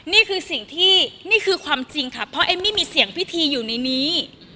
นี่คือสิ่งที่นี่คือความจริงค่ะเพราะเอมมี่มีเสียงพิธีอยู่ในนี้